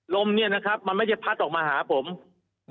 ลมเนี่ยนะครับมันไม่ได้พัดออกมาหาผม